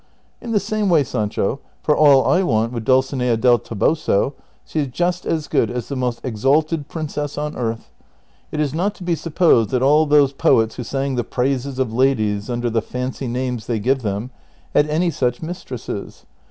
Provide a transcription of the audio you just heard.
In the same way, Sancho, for all I Avant Avith Dulcinea del Toboso she is just as good as the inost exalted princess on earth. It is not to be su])posedthat all those poets Avho sang the praises of ladies under the fancy names they give them, had any such mistresses.